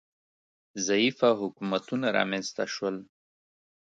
ضعیفه حکومتونه رامنځ ته شول